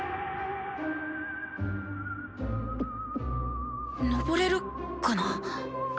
心の声のぼれるかな？